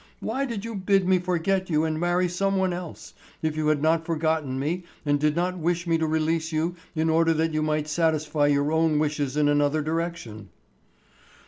Why did you bid me forget you and marry some one else, if you had not forgotten me and did not wish me to release you in order that you might satisfy your own wishes in another direction?"